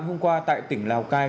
hôm qua tại tỉnh lào cai